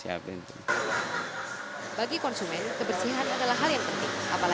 konsumen kebersihan adalah hal yang penting untuk penjualan baso yang lebih baik dari masalah yang terjadi di jalan ini